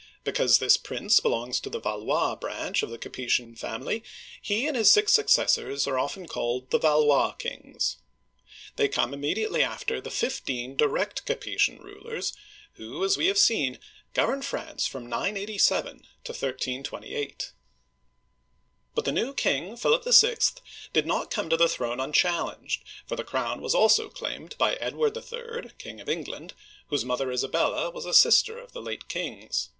Because this prince belongs to the Valois (va lwa') branch of the Capetian family, he and his six successors are often called the "Valois Kings." They come immediately after the fifteen direct Capetian rulers, who, as we have seen, governed France from 987 to 1328. But the new king, Philip VI., did not come to the throne unchallenged, for the crown was also claimed by Edward III., King of England, whose mother, Isabella, was a sister of the late 'kings.